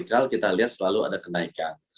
dan sejarah kita lihat selalu ada kenaikan